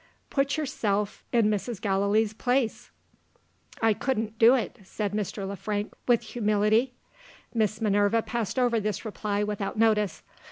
Put yourself in Mrs. Gallilee's place " "I couldn't do it," said Mr. Le Frank, with humility. Miss Minerva passed over this reply without notice.